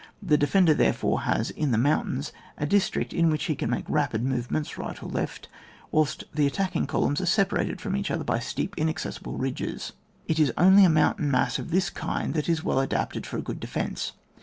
The defender, therefore, has in the mountains a district in which he can make rap^d movements right or left, whilst the attacking colunms are separated from each other by steep, inaccessible ridges. It is only a mountain mass of this kind that is well adapted for a good defence.